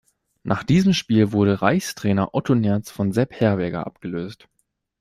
Nach diesem Spiel wurde Reichstrainer Otto Nerz von Sepp Herberger abgelöst.